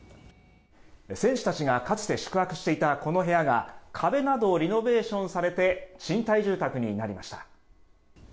選手たちがかつて宿泊していたこの部屋が壁などをリノベーションされて賃貸住宅になりました。